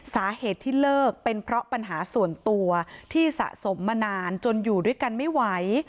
สาเหตุที่เลิกเป็นเพราะปัญหาส่วนตัวที่สะสมมานานจนอยู่ด้วยกันไม่ไหว